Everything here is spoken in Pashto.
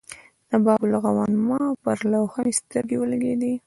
د باب الغوانمه پر لوحه مې سترګې ولګېدې.